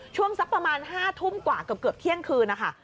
ช่วงสักประมาณ๕ทุ่มกว่าเกือบเที่ยงคืนนะคะ